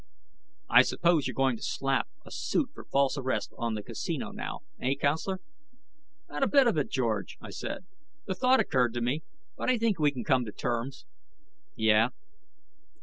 "I suppose you're going to slap a suit for false arrest on the Casino now, eh, counselor?" "Not a bit of it, George," I said. "The thought occurred to me, but I think we can come to terms." "Yeah?"